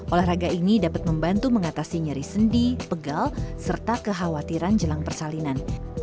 olahraga ini dapat membantu mengatasi nyeri sendi pegal serta kekhawatiran jelang persalinan